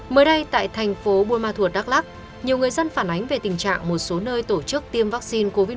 mới đây tại thành phố burma thuật đắk lắc nhiều người dân phản ánh về tình trạng một số nơi tổ chức tiêm vaccine covid một mươi chín